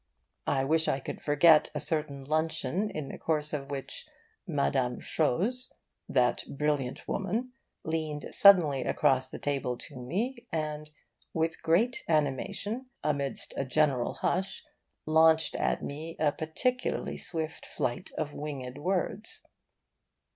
I wish I could forget a certain luncheon in the course of which Mme. Chose (that brilliant woman) leaned suddenly across the table to me, and, with great animation, amidst a general hush, launched at me a particularly swift flight of winged words.